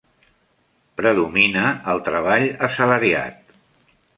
Predomina el treballa assalariat.